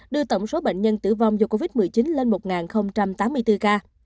đưa tổng số bệnh nhân tử vong do covid một mươi chín lên một tám mươi bốn ca